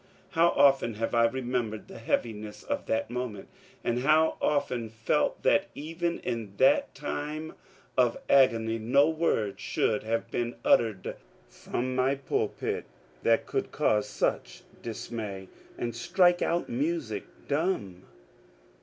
How often have I remembered the heaviness of that mo ment, and how often felt that even in that time of agony no word should have been uttered from my pulpit that could cause such dismay and strike our music dumb